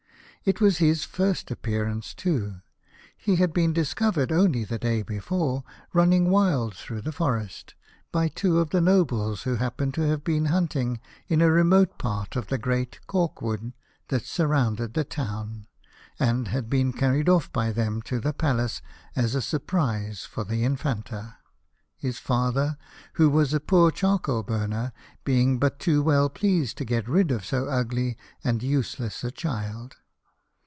It was his first appearance, too. He had been discovered only the day before, running wild through the forest, by two of the nobles who happened to have been hunting in a remote part of the great cork wood thatsurrounded the town, and had been carried off by them to the Palace as a surprise for the Infanta, his father, who was a poor charcoal burner, being but too well pleased to get rid of so ugly and useless a child.